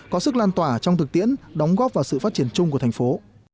có sức lan tỏa trong thực tiễn đóng góp vào sự phát triển chung của thành phố